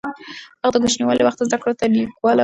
هغه د کوچنيوالي له وخته زده کړو ته لېواله و.